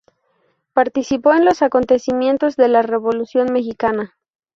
Participó en los acontecimientos de la Revolución mexicana.